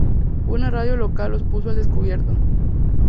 Una radio local los puso al descubierto.